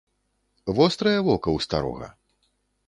Вострае вока ў старога.